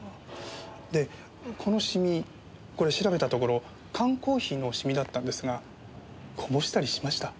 でこの染みこれ調べたところ缶コーヒーの染みだったんですがこぼしたりしました？